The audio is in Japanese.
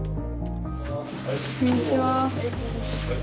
こんにちは。